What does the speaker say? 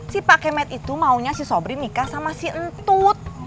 si pak kemet itu maunya si sobri nikah sama si entut